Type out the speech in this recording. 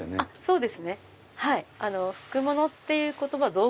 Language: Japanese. そうです。